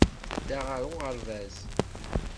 Tedda ɣer uɣerbaz.